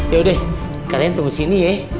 yaudah kalian tunggu sini ya